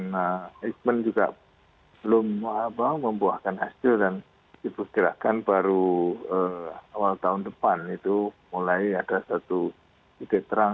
nah eijkman juga belum membuahkan hasil dan diperkirakan baru awal tahun depan itu mulai ada satu titik terang